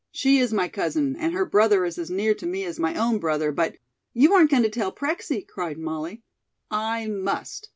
She is my cousin, and her brother is as near to me as my own brother, but " "You aren't going to tell Prexy?" cried Molly. "I must.